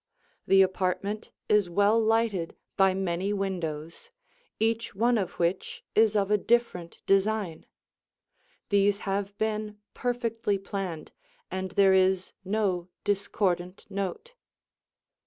The apartment is well lighted by many windows, each one of which is of a different design. These have been perfectly planned, and there is no discordant note.